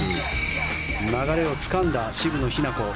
流れをつかんだ渋野日向子。